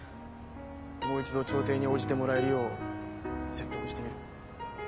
もう一度調停に応じてもらえるよう説得してみる。